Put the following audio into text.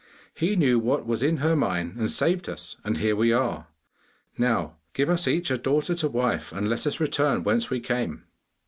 He knew what was in her mind and saved us, and here we are. Now give us each a daughter to wife, and let us return whence we came.